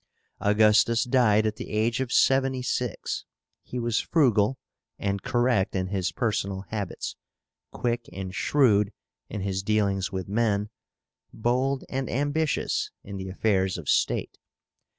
Augustus died at the age of seventy six. He was frugal and correct in his personal habits, quick and shrewd in his dealings with men, bold and ambitious in the affairs of state.